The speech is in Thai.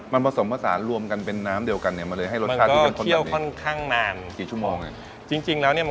มันผสมพรรษารวมกันเป็นน้ำเดียวกันมันก็เที่ยวค่อนข้างนาน